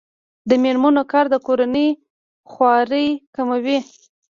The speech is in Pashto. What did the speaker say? د میرمنو کار د کورنۍ خوارۍ کموي.